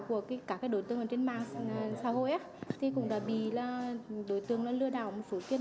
cả các đối tượng trên mạng xã hội thì cũng đã bị đối tượng lừa đảo số tiền